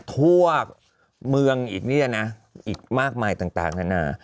ทั่วเมืองอีกเนี่ยนะอีกมากมายต่างนานา